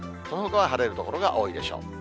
そのほかは晴れる所が多いでしょう。